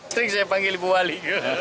sering saya panggil ibu wali